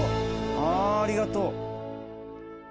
あありがとう